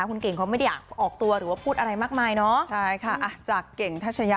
อืมอันนั้นแหละ